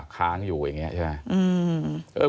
ค้างอยู่อย่างนี้ใช่ไหม